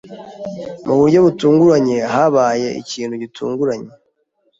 Mu buryo butunguranye, habaye ikintu gitunguranye.